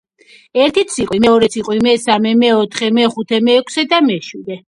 ერთი ციყვი, მეორე ციყვი, მესამე, მეოთხე, მეხუთე, მეექვსე და მეშვიდე.